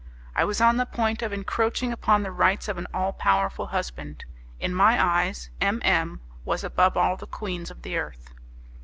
I was on the point of encroaching upon the rights of an all powerful husband; in my eyes M M was above all the queens of the earth.